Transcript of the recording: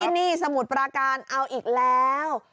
ที่นี่สมุทรปราการเอาอีกแล้ว